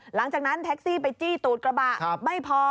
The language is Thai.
หลังจากนั้นแท็กซี่ไปจี้ตูดกระบะไม่พอ